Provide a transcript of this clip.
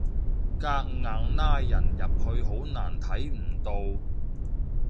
夾硬拉人入去好難睇唔到